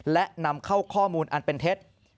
และนำเข้าข้อมูลอันเป็นเท็จ